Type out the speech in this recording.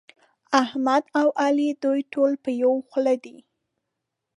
احمد او علي دوی ټول په يوه خوله دي.